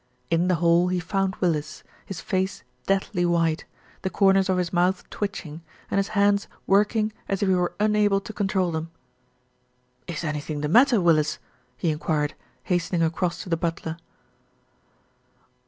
In the hall he found Willis, his face deathly white, the corners of his mouth twitching, and his hands working as if he were unable to control them. "Is anything the matter, Willis?" he enquired, has tening across to the butler.